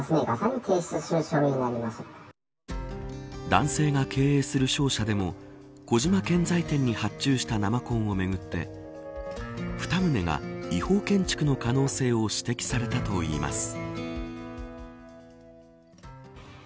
男性が経営する商社でも小島建材店に発注した生コンをめぐって２棟が違法建築の可能性を指摘されたといいます。